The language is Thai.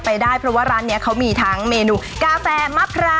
ไปได้เพราะว่าร้านนี้เขามีทั้งเมนูกาแฟมะพร้าว